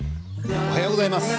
おはようございます。